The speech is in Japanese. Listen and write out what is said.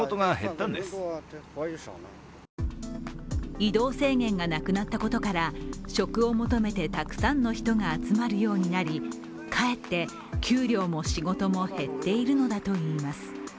移動制限がなくなったことから職を求めてたくさんの人が集まるようになり、かえって給料も仕事も減っているのだといいます。